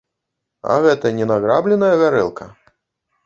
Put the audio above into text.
А гэта не награбленая гарэлка?